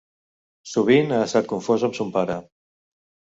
Sovint ha estat confós amb son pare.